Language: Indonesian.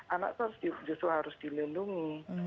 anak itu justru harus dilindungi